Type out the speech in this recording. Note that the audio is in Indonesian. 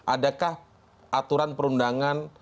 adakah aturan perundangan